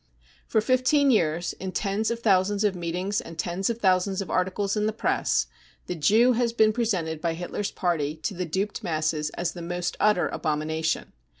For fifteen years, in tens of thousands of meetings and tens of thousands of articles in the press, the Jew has been presented by Hitler's Party to the duped masses as the most utter abomination.